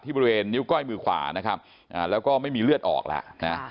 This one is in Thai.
ที่บริเวณนิ้วก้อยมือขวาแล้วก็ไม่มีเลือดออกแล้ว